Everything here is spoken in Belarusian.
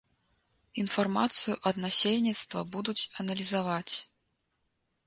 Інфармацыю ад насельніцтва будуць аналізаваць.